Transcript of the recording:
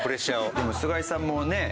でも菅井さんもね